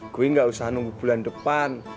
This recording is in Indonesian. gue gak usah nunggu bulan depan